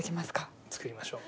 作りましょう。